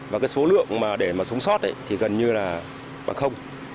và cái số lượng mà để mà sống sót thì gần như là bằng